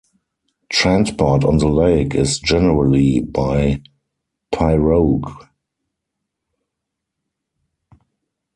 Transport on the lake is generally by pirogue.